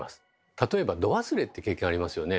例えば「ど忘れ」って経験ありますよね。